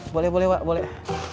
boleh boleh wak boleh